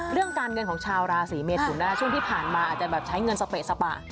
เรื่องการเงินของชาวราศีเมทุนช่วงที่ผ่านมาอาจจะแบบใช้เงินสเปะสปะ